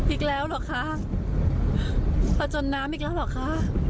อีกแล้วเหรอคะพอจมน้ำอีกแล้วเหรอคะ